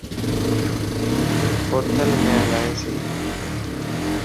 اوٿلم الائي سيَ